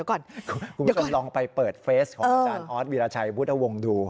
คุณผู้ชมลองไปเปิดเฟสของอาจารย์ออสวีราชัยพุทธวงศ์ดู